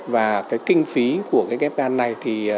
và kinh phí của ghép gan này